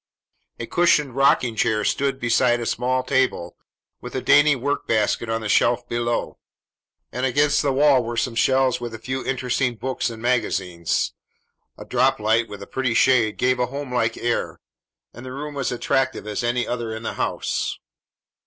A cushioned rocking chair stood beside a small table, with a dainty work basket on the shelf below; and against the wall were some shelves with a few interesting books and magazines. A droplight with a pretty shade gave a home like air, and the room was as attractive as any other in the house.